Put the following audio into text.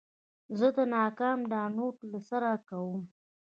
زه د ناکام ډاونلوډ له سره کوم.